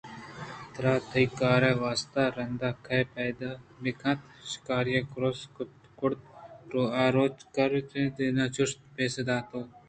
ترا تئی کار ءِ واستہ رندا کئے پاد بہ کنت؟ شِکاری ءَ کُروس ءِ گُٹّ ءَ کارچ ایردِئیان ءَ چُش پسّہ دات ہئو